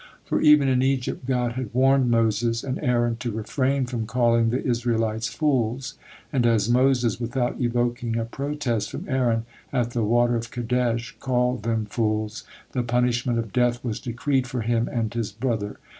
For even in Egypt God had warned Moses and Aaron to refrain from calling the Israelites fools, and as Moses, without evoking a protest from Aaron, at the water of Kadesh, called them fools, the punishment of death was decreed for him and his brother.